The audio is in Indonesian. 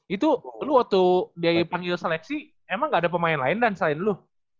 itu lu waktu dia dipanggil seleksi emang gak ada pemain lain dan sign lu